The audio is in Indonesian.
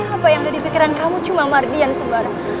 apa yang udah di pikiran kamu cuma mardian sembara